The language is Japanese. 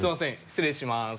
失礼します。